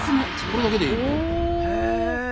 これだけでいいの？